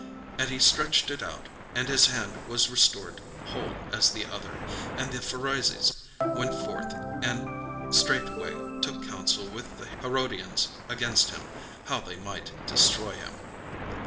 And he stretched it out: and his hand was restored whole as the other. And the Pharisees went forth, and straightway took counsel with the Herodians against him, how they might destroy him.